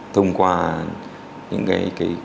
thông qua những hành vi vụ lực đối với con nợ